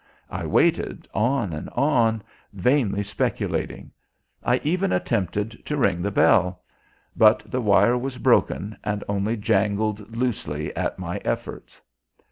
I waited on and on, vainly speculating. I even attempted to ring the bell; but the wire was broken, and only jangled loosely at my efforts.